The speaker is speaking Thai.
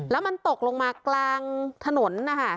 แล้วมันตกลงมากลางถนนนะคะ